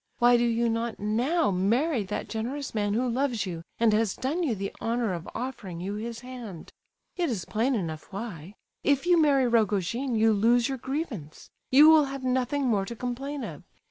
Why do you not now marry that generous man who loves you, and has done you the honour of offering you his hand? It is plain enough why; if you marry Rogojin you lose your grievance; you will have nothing more to complain of.